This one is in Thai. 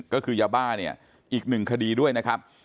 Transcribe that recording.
ก็คือยาบ้าเนี่ยอีกหนึ่งคดีด้วยนะครับ